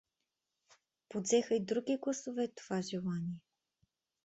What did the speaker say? Подзеха и други гласове това желание.